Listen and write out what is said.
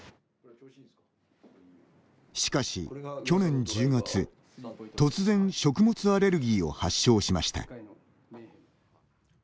しかし、去年１０月、突然食物アレルギーを発症しました。